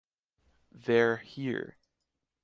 They’re here.